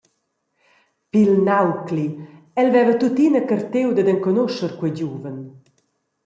Pil naucli –el veva tuttina cartiu dad enconuscher quei giuven.